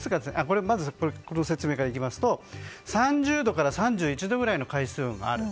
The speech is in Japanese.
この説明からいきますと３０度から３１度くらいの海水温がある。